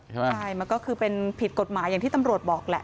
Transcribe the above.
ใช่มันก็คือเป็นผิดกฎหมายอย่างที่ตำรวจบอกแหละ